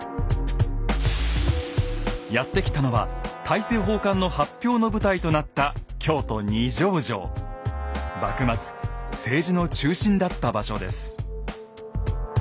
やって来たのは大政奉還の発表の舞台となった幕末政治の中心だった場所です。